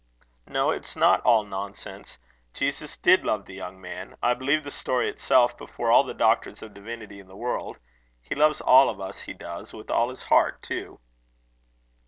"No, it's not all nonsense. Jesus did love the young man. I believe the story itself before all the Doctors of Divinity in the world. He loves all of us, he does with all his heart, too."